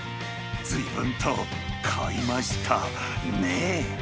ずいぶんと買いましたね。